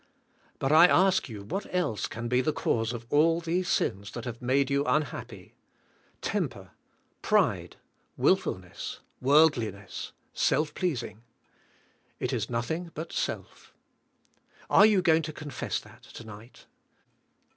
But I ask you what else can be the cause of all these sins that have made you unhappy? temper, pride, wilfulness, worldliness, self pleasing. It is nothing but self. Are you going to confess that tonight?